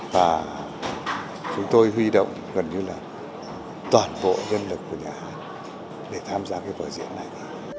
và chúng tôi huy động gần như là toàn bộ nhân lực của nhà hát để tham gia cái vở diễn này